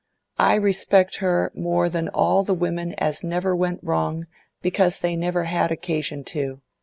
I respect her more than all the women as never went wrong because they never had occasion to.